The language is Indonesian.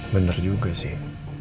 bener juga sih